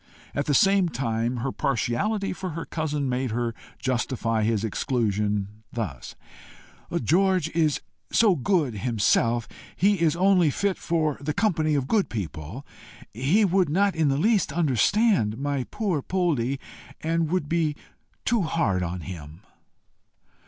At the same time her partiality for her cousin made her justify his exclusion thus: "George is so good himself, he is only fit for the company of good people. He would not in the least understand my poor Poldie, and would be too hard upon him."